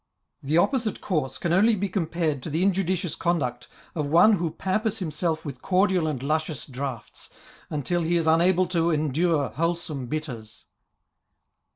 The opposite course can only be compared to the injudicious conduct of one who pampers himself with cordial and luscious draughts, until he is unable to endure wholesome bitters.